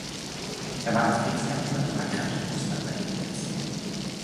Er war als Kriegsteilnehmer in Frankreich und Russland eingesetzt.